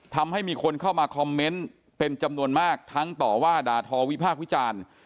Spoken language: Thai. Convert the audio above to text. ทำให้มีคนเข้ามาคอมเมนต์เป็นจำนวนมากทั้งต่อว่าด่าทอวิพากษ์วิจารณ์